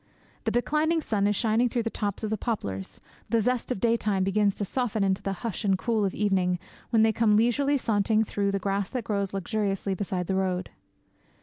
The declining sun is shining through the tops of the poplars, the zest of daytime begins to soften into the hush and cool of evening, when they come leisurely sauntering through the grass that grows luxuriously beside the road.